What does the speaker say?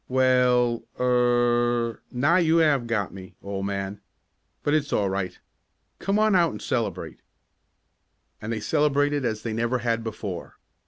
"Well er now you have got me, old man! But it's all right. Come on out and celebrate." And they celebrated as they never had before.